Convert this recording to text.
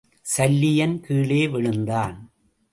சல்லியன் கீழே விழுந்தான்.